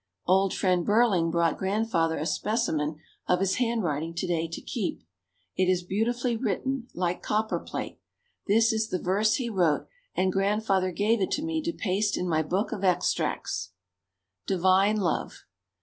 Old Friend Burling brought Grandfather a specimen of his handwriting to day to keep. It is beautifully written, like copper plate. This is the verse he wrote and Grandfather gave it to me to paste in my book of extracts: DIVINE LOVE.